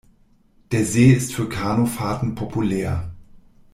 Der See ist für Kanufahrten populär.